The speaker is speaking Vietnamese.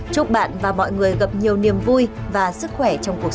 chúc bạn và mọi người gặp nhiều niềm vui và sức khỏe